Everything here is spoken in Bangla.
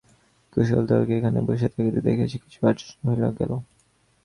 কৃষ্ণদয়ালকে এখানে বসিয়া থাকিতে দেখিয়া সে কিছু আশ্চর্য হইয়া গেল।